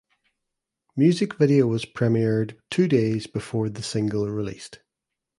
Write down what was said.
Music video was premiered two days before the single released.